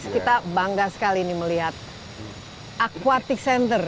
kita bangga sekali ini melihat aquatic center